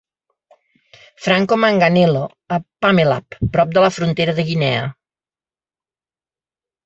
Franco Manganello a Pamelap, prop de la frontera de Guinea.